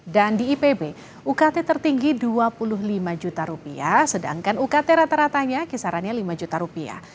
dan di ipb ukt tertinggi dua puluh lima juta rupiah sedangkan ukt rata ratanya kisarannya lima juta rupiah